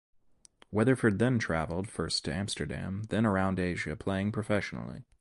Weatherford then traveled, first to Amsterdam, then around Asia playing professionally.